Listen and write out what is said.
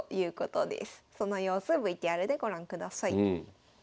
その様子ＶＴＲでご覧ください。